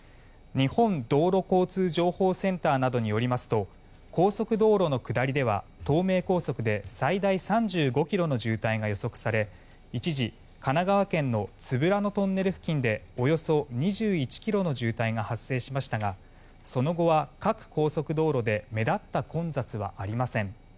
日本道路交通情報センターなどによりますと高速道路の下りでは、東名高速で最大３５ｋｍの渋滞が予測され一時、神奈川県の都夫良野トンネル付近でおよそ２１ｋｍの渋滞が発生しましたがその後は各高速道路で目立った混雑はありません。